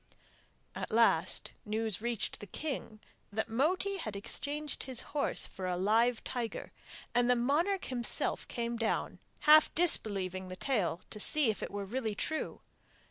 At last news reached the king that Moti had exchanged his horse for a live tiger; and the monarch himself came down, half disbelieving the tale, to see if it were really true.